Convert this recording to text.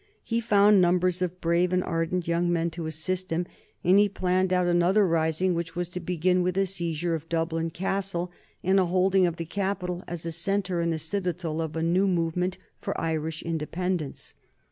He found numbers of brave and ardent young men to assist him, and he planned out another rising, which was to begin with a seizure of Dublin Castle and a holding of the capital as a centre and a citadel of the new movement for Irish independence.